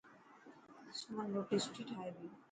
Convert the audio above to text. سمن روٽي سٺي ٺاهي تي.